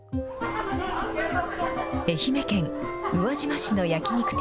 愛媛県宇和島市の焼き肉店。